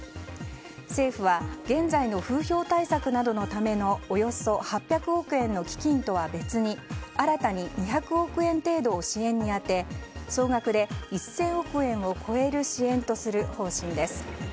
政府は現在の風評対策などのためのおよそ８００億円の基金とは別に新たに２００億円程度を支援に充て総額で１０００億円を超える支援とする方針です。